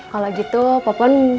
kalau gitu popon